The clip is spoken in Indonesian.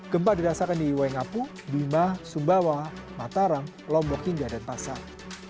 gempa dirasakan di waingapu bima sumbawa mataram lombok hingga denpasar